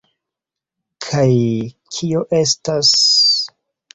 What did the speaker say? Kaj... kio estas...